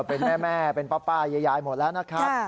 เป็นแม่เป็นป้ายายหมดแล้วนะครับ